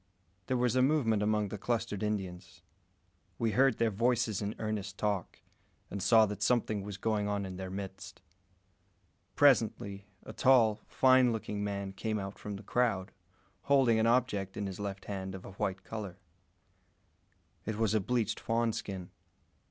There was a movement among the clustered Indians. We heard their voices in earnest talk, and saw that something was going on in their midst. Presently, a tall, fine looking man came out from the crowd, holding an object in his left hand of a white colour. It was a bleached fawn skin.